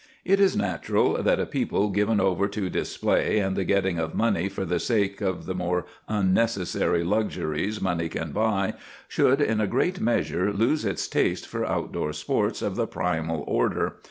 It is natural that a people given over to display and the getting of money for the sake of the more unnecessary luxuries money can buy should in a great measure lose its taste for outdoor sports of the primal order.